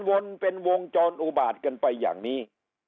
วนวงจ่อนอุบาดกันไปอย่างนี้